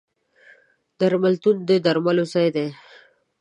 درملتون د درملو ځای دی.